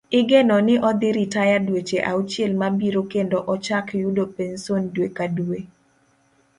Igeno ni odhi ritaya dweche auchiel mabiro kendo ochak yudo penson dwe ka dwe.